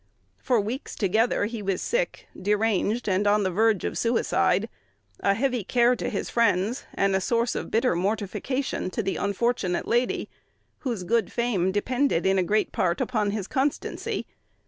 For weeks together, he was sick, deranged, and on the verge of suicide, a heavy care to his friends, and a source of bitter mortification to the unfortunate lady, whose good fame depended, in a great part, upon his constancy.